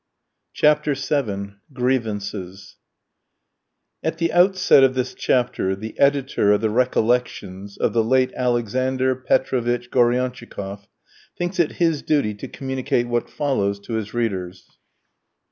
CHAPTER VII. GRIEVANCES At the outset of this chapter, the editor of the "Recollections" of the late Alexander Petrovitch Goriantchikoff thinks it his duty to communicate what follows to his readers.